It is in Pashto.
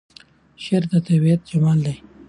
شعر د طبیعت جمال دی.